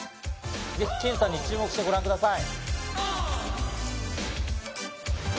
ぜひケンさんに注目してご覧ください。